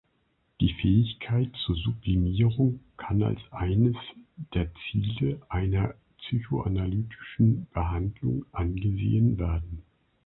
Die Fähigkeit zur Sublimierung kann als eines der Ziele einer psychoanalytischen Behandlung angesehen werden.